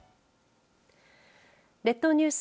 列島ニュース